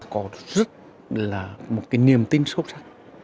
có rất là một cái niềm tin sâu sắc